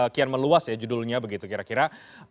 kian meluas ya judulnya begitu kira kira